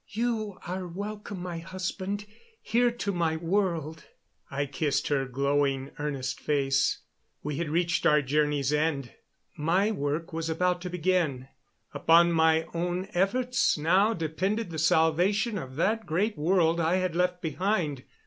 "You are welcome, my husband, here to my world." I kissed her glowing, earnest face. We had reached our journey's end. My work was about to begin upon my own efforts now depended the salvation of that great world I had left behind.